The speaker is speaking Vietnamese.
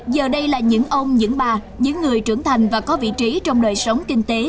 giờ đây là những ông những bà những người trưởng thành và có vị trí trong đời sống kinh tế